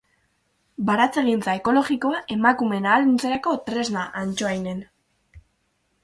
Baratzegintza ekologikoa emakumeen ahalduntzerako tresna Antsoainen.